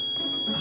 あ。